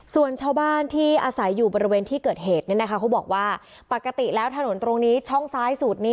ส่วนชาวบ้านที่อาศัยอยู่บริเวณที่เกิดเหตุเขาบอกว่าปกติแล้วถนนตรงนี้ช่องซ้ายสูตรนี้